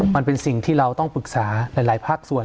มันเป็นสิ่งที่เราต้องปรึกษาหลายภาคส่วน